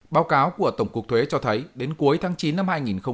báo cáo của tổng cục thuế cho thấy đến cuối tháng chín năm hai nghìn một mươi chín